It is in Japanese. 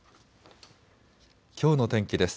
きょうの天気です。